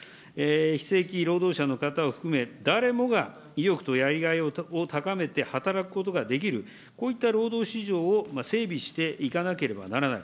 非正規労働者の方を含め、誰もが意欲とやりがいを高めて、働くことができる、こういった労働市場を整備していかなければならない。